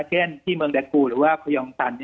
เช่นที่เมืองดากูหรือว่าพยองตัน